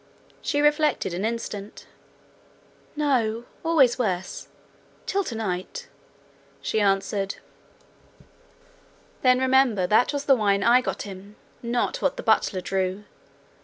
She reflected an instant. 'No; always worse till tonight,' she answered. 'Then remember that was the wine I got him not what the butler drew.